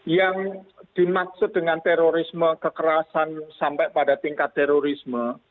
yang dimaksud dengan terorisme kekerasan sampai pada tingkat terorisme